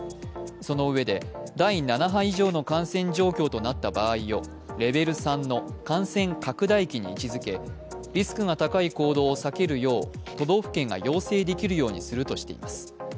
そのうえで第７波以上の感染状況となった場合をレベル３の感染拡大期に位置づけリスクが高い行動を避けるよう都道府県が要請できるようにするとしています。